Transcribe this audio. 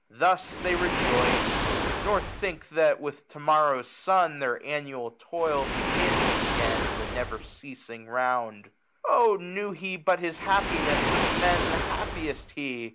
Thus they rejoice j nor think That, with to morrow's sun, their annual toil 1231 Begins again the never ceasing round. Oh knew he but his happiness, of Men The happiest he